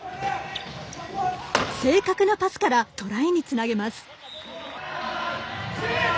正確なパスからトライにつなげます。